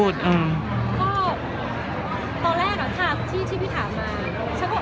แต่ว่าเราพวกนี้ก็เป็น